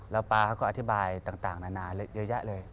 แล้วป๊าเขาก็อธิบายต่างนานาเยอะแยะเลย